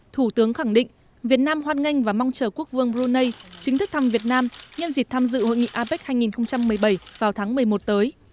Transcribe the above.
thủ tướng khẳng định việt nam hoan nghênh và mong chờ quốc vương brunei chính thức thăm việt nam nhân dịp tham dự hội nghị apec hai nghìn một mươi bảy vào tháng một mươi một tới